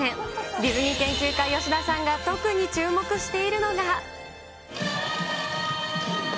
ディズニー研究家、吉田さんが特に注目しているのが。